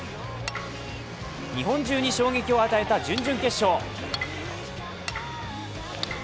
日本中に衝撃を与えた準々決勝。